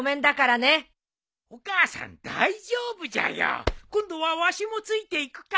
お母さん大丈夫じゃよ。今度はわしもついていくから。